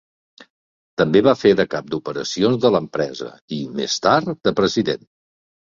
També va fer de cap d'operacions de l'empresa i, més tard, de president.